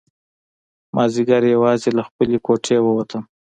مازیګر یوازې له خپلې کوټې ووتم.